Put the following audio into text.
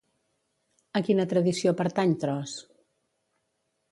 A quina tradició pertany Tros?